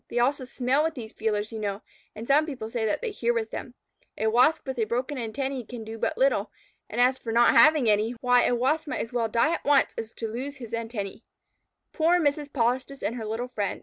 They also smell with these feelers, you know, and some people say that they hear with them. A Wasp with broken antennæ can do but little, and as for not having any why, a Wasp might as well die at once as to lose his antennæ. Poor Mrs. Polistes and her little friend!